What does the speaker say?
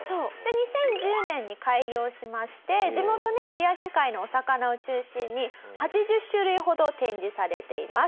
２０１０年に開業しまして地元ね有明海のお魚を中心に８０種類ほど展示されています。